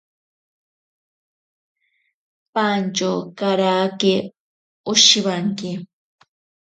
Pantyo karake oshiwanki.